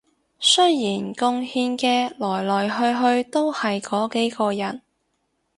雖然貢獻嘅來來去去都係嗰幾個人